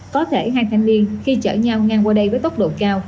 có thể hai thanh niên khi chở nhau ngang qua đây với tốc độ cao